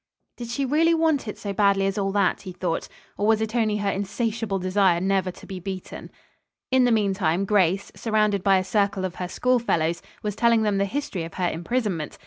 "Did she really want it so badly as all that?" he thought, "or was it only her insatiable desire never to be beaten?" In the meantime, Grace, surrounded by a circle of her school fellows, was telling them the history of her imprisonment.